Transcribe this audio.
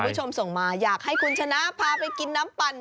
คุณผู้ชมส่งมาอยากให้คุณชนะพาไปกินน้ำปั่น